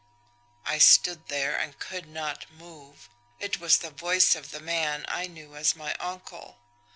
"I stood there and could not move. It was the voice of the man I knew as my uncle!